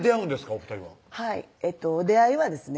お２人ははい出会いはですね